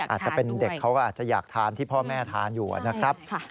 อาจจะเป็นเด็กเขาก็อาจจะอยากทานที่พ่อแม่ทานอยู่นะครับ